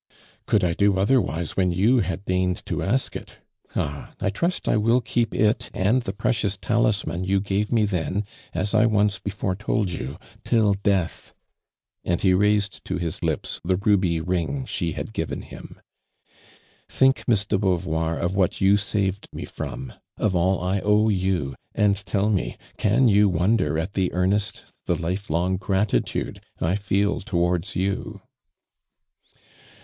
"Could I do otherwise when you had tleigned to ask it ? Ah, I trust I will keep it and the precious talisman you gave me then, as I once before told you, till death." and he raised to his lips the ruby ring she liad given him. " Think, Miss do Beauvoir. of what you saved me from — of all I owe you, and tell me. can you wonder at the earnest, the life long gratitude I feel tf wards you?"